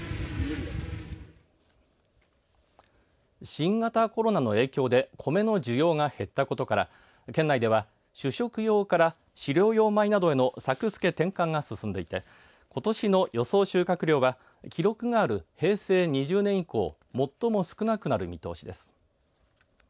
新型コロナの影響でコメの需要が減ったことから県内では主食用から飼料用米などへの作付け転換が進んでいてことしの予想収穫量は記録がある平成２０年以降最も少なくなる見通しです。